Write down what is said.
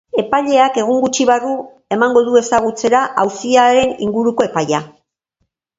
Epaileak egun gutxi barru emango du ezagutzera auziaren inguruko epaia.